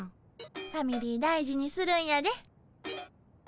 ファミリー大事にするんやで。